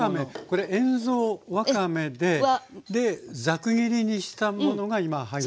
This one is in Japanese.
これ塩蔵わかめでザク切りにしたものが今入りましたね。